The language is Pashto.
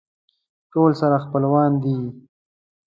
ټول سره خپلوان دي.